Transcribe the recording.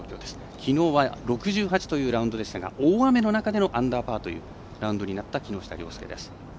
きのうは６８というラウンドでしたが大雨の中でのアンダーパーというラウンドになった木下稜介です。